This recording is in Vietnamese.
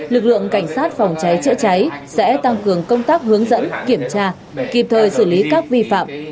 lực lượng cảnh sát phòng cháy chữa cháy sẽ tăng cường công tác hướng dẫn kiểm tra kịp thời xử lý các vi phạm